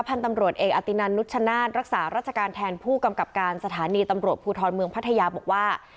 พันธุ์ตำรวจเอกอตินันนุชชนาศรักษาราชการแทนผู้กำกับการสถานีตำรวจภูทรเมืองพัทยาบอกว่า